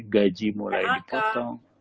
gaji mulai dipotong